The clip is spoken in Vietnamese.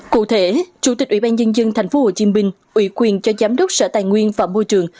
cụ thể chủ tịch ủy ban nhân dân tp hcm ủy quyền cho giám đốc sở tài nguyên và môi trường